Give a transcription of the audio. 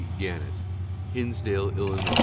Gannett: Hinsdale, III.